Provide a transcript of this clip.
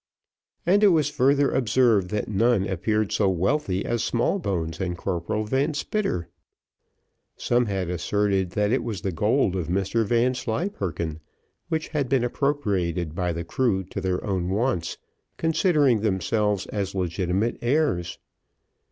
And it was further observed, that none appeared so wealthy as Smallbones and Corporal Van Spitter. Some had asserted that it was the gold of Mr Vanslyperken, which had been appropriated by the crew to their own wants, considering themselves as his legitimate heirs.